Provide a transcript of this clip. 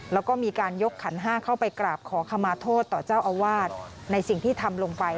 แล้วก็มีการยกขันห้าเข้าไปกราบขอขมาโทษต่อเจ้าอาวาสในสิ่งที่ทำลงไป